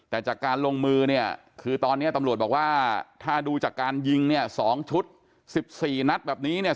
แต่จากการลงมือเนี่ยคือตอนนี้ตำรวจบอกว่าถ้าดูจากการยิงเนี่ย๒ชุด๑๔นัดแบบนี้เนี่ย